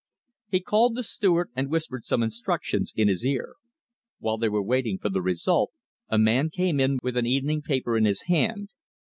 He called the steward and whispered some instructions in his ear. While they were waiting for the result, a man came in with an evening paper in his hand.